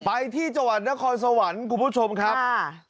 ไปที่จังหวัดนครสวรรค์คุณผู้ชมครับ